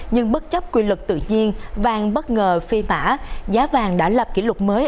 nhưng bất chấp quy luật tự nhiên vàng bất ngờ phi mã giá vàng đã lập kỷ lục mới